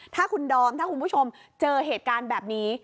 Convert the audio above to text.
ถ้าคุณดอมถ้าคุณผู้ชมเจอเหตุการณ์แบบนี้